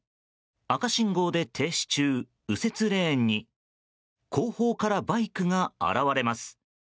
赤信号で停止中右折レーンに後方からバイクが現れます。